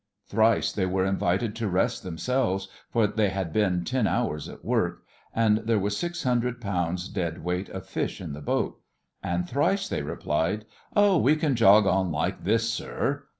Thrice they were invited to rest themselves, for they had been ten hours at work, and there was six hundred pounds' dead weight of fish in the boat; and thrice they replied: 'Oh, we can jog on like this, sir.